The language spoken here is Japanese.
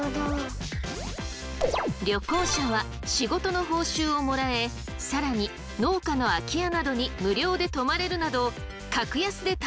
旅行者は仕事の報酬をもらえ更に農家の空き家などに無料で泊まれるなど格安で旅ができるんです！